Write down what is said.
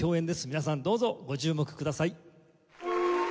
皆さんどうぞご注目ください。